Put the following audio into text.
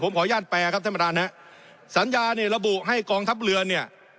ขออนุญาตแปลครับท่านประธานฮะสัญญาเนี่ยระบุให้กองทัพเรือเนี่ย